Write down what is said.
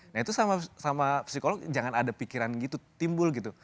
nah itu sama psikolog jangan ada pikiran gitu timbul gitu